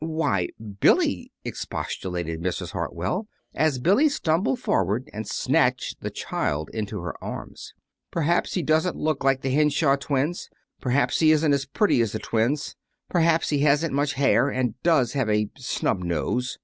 "Why, Billy!" expostulated Mrs. Hartwell, as Billy stumbled forward and snatched the child into her arms. "Perhaps he doesn't look like the Henshaw babies. Perhaps he isn't as pretty as the twins. Perhaps he hasn't much hair, and does have a snub nose.